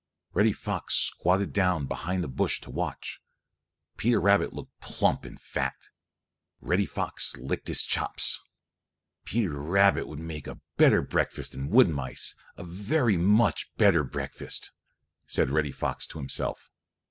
Reddy Fox squatted down behind a bush to watch. Peter Rabbit looked plump and fat. Reddy Fox licked his chops. "Peter Rabbit would make a better breakfast than wood mice, a very much better breakfast," said Reddy Fox to himself.